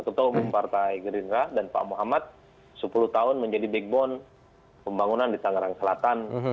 ketua umum partai gerindra dan pak muhammad sepuluh tahun menjadi backbone pembangunan di tangerang selatan